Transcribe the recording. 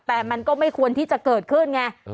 แต่มันก็ไม่ควรที่จะเกิดขึ้นไง